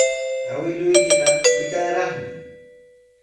Awkilluykiqa rikanraqmi.